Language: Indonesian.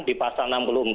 di pasal enam puluh empat